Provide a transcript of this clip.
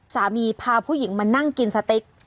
สามีพาผู้หญิงมานั่งกินสเต็ก